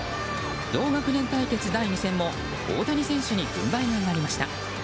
同学年対決第２戦も大谷選手に軍配が上がりました。